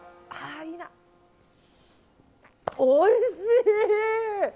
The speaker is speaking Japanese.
おいしい！